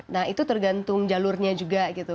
nah itu tergantung jalurnya juga gitu